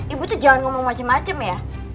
ibu tuh jangan ngomong macem macem ya